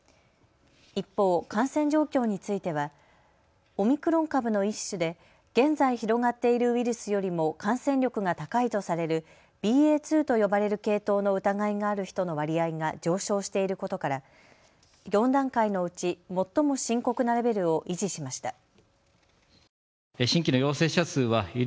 一方、感染状況についてはオミクロン株の一種で現在広がっているウイルスよりも感染力が高いとされるＢＡ．２と呼ばれる系統の疑いがある人の割合が上昇していることから４段階のうち最も深刻なレベルを維持しました。